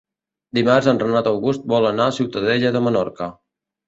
Dimarts en Renat August vol anar a Ciutadella de Menorca.